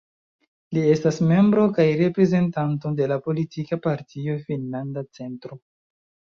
Li estas membro kaj reprezentanto de la politika partio Finnlanda Centro.